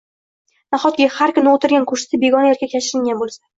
Nahotki, har kuni o`tirgan kursisida begona erkak yashiringan bo`lsa